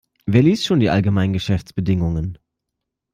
Wer liest schon die allgemeinen Geschäftsbedingungen?